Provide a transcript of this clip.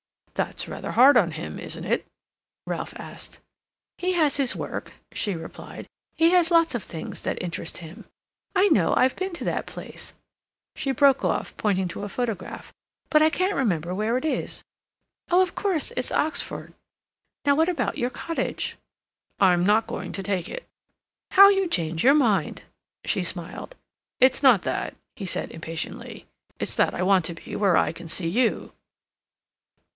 "That's rather hard on him, isn't it?" Ralph asked. "He has his work," she replied. "He has lots of things that interest him.... I know I've been to that place," she broke off, pointing to a photograph. "But I can't remember where it is—oh, of course it's Oxford. Now, what about your cottage?" "I'm not going to take it." "How you change your mind!" she smiled. "It's not that," he said impatiently. "It's that I want to be where I can see you."